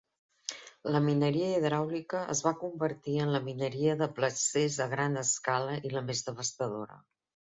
La mineria hidràulica es va convertir en la mineria de placers a gran escala i la més devastadora.